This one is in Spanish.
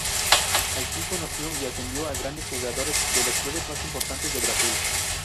Allí conoció y atendió a grandes jugadores de los clubes más importantes de Brasil.